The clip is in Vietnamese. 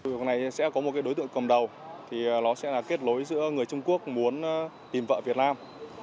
việc này sẽ có một đối tượng cầm đầu thì nó sẽ là kết lối giữa người trung quốc muốn tìm vợ việt nam